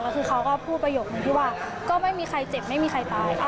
แล้วคือเขาก็พูดประโยคนึงที่ว่าก็ไม่มีใครเจ็บไม่มีใครตาย